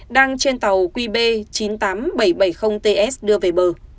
đang trên tàu qb chín mươi tám nghìn bảy trăm bảy mươi ts đưa về bờ